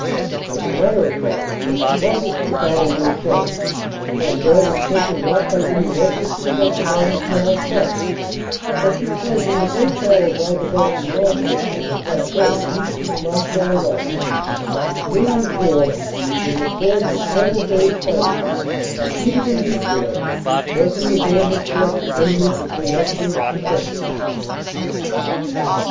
As a matter of fact, as the pro gress of the battle will show, Cambrai was taken not by any local success along the canal front, but because in the great battle now developing north of it on the plateau east of the Marcoing line, the Canadian Corps in the course of several days fighting defeated in detail every available force the enemy could bring up to its defense.